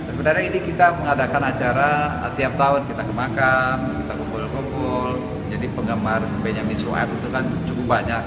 sebenarnya ini kita mengadakan acara tiap tahun kita ke makam kita kumpul kumpul jadi penggemar benyamin sueb itu kan cukup banyak